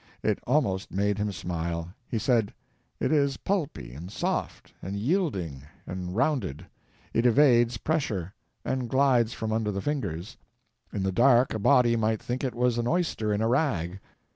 It almost made him smile. He said, "It is pulpy, and soft, and yielding, and rounded; it evades pressure, and glides from under the fingers; in the dark a body might think it was an oyster in a rag."